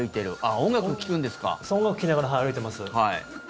音楽聴きながら歩いています。